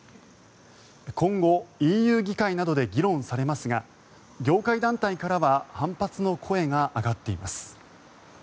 今後、ＥＵ議会などで議論されますが業界団体からは反発の声が上がっています。